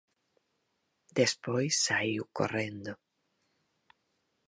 Despois saíu correndo.